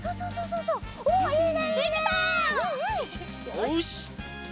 よし！